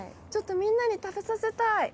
ちょっとみんなに食べさせたい。